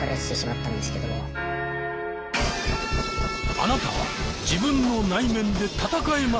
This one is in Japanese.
あなたは「自分の内面」で戦えますか？